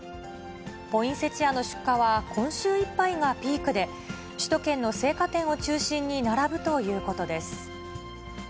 ポインセチアの出荷は今週いっぱいがピークで、首都圏の生花店を中心に並ぶということです。